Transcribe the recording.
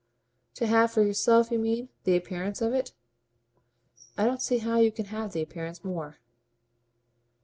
"To have for herself, you mean, the appearance of it?" "I don't see how you can have the appearance more."